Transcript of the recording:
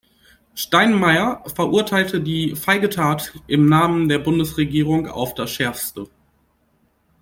Steinmeier verurteilte die „feige Tat“ im Namen der Bundesregierung „auf das Schärfste“.